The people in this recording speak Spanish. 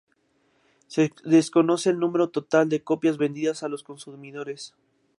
Se desconoce el número total de copias vendidas a los consumidores.